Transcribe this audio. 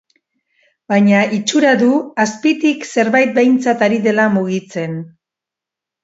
Baina itxura du, azpitik zerbait behintzat ari dela mugitzen.